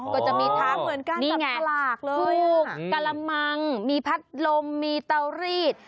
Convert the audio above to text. ก็จะมีทางเหมือนการจับหลากเลยน่ะนี่ไงผูกกระมังมีพัดลมมีเต้ารีด